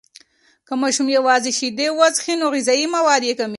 که ماشوم یوازې شیدې وڅښي، نور غذایي مواد یې کمیږي.